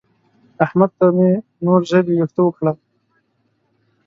احمد ته مې نور ژبې وېښته وکړل.